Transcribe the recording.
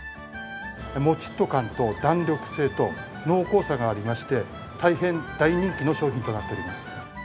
もちっと感と弾力性と濃厚さがありまして大変大人気の商品となっております。